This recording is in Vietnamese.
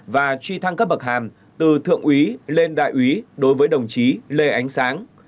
và truy thăng cấp bậc hàm từ thượng úy lên đại úy đối với đồng chí lê ánh sáng